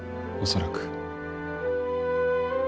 恐らく。